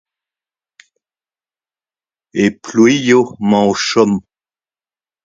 E Plouilio 'mañ o chom